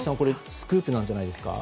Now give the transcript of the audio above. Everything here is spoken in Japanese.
スクープじゃないですか？